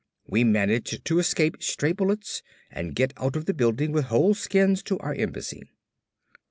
We managed to escape stray bullets and get out of the building with whole skins to our embassy.